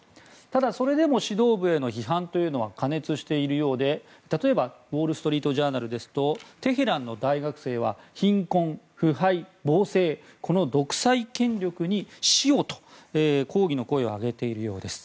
ただ、それでも指導部への批判は過熱しているようで例えば、ウォール・ストリート・ジャーナルですとテヘランの大学生は貧困、腐敗、暴政この独裁権力に死をと抗議の声を上げているようです。